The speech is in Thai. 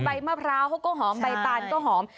ใบมะพร้าวเขาก็หอมใบตาลก็หอม